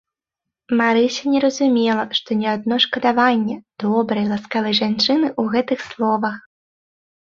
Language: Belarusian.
Марыся не разумела, што не адно шкадаванне добрай, ласкавай жанчыны ў гэтых словах.